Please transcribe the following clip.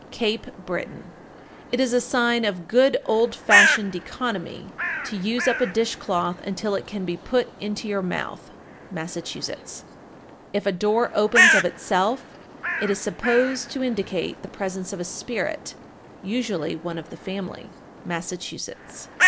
Cape Breton. 1446. It is a sign of good old fashioned economy to use up a dish cloth until it can be put into your mouth. Massachusetts. 1447. If a door opens of itself, it is supposed to indicate the presence of a spirit, usually one of the family. _Massachusetts.